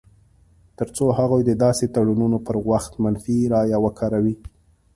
تر څو هغوی د داسې تړونونو پر وخت منفي رایه وکاروي.